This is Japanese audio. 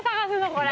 これ。